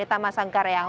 di tama sangkareang